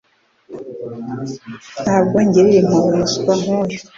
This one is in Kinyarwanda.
Ntabwo ngirira impuhwe umuswa nkuyu.